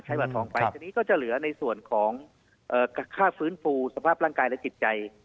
บัตรทองไปทีนี้ก็จะเหลือในส่วนของค่าฟื้นฟูสภาพร่างกายและจิตใจ